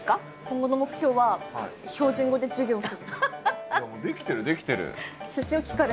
今後の目標は標準語で授業する。